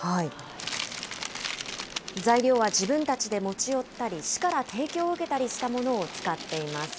材料は自分たちで持ち寄ったり、市から提供を受けたりしたものを使っています。